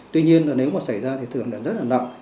tuy nhiên nếu xảy ra thì thường rất là nặng